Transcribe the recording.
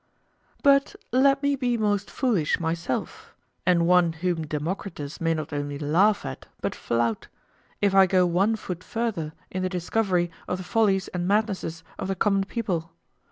But let me be most foolish myself, and one whom Democritus may not only laugh at but flout, if I go one foot further in the discovery of the follies and madnesses of the common people.